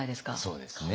そうですね。